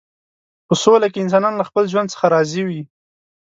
په سوله کې انسانان له خپل ژوند څخه راضي وي.